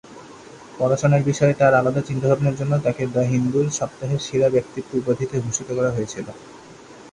পড়াশোনার বিষয়ে তাঁর আলাদা চিন্তাভাবনার জন্য তাঁকে দ্য হিন্দুর "সপ্তাহের সেরা ব্যক্তিত্ব" উপাধিতে ভূষিত করা হয়েছিল।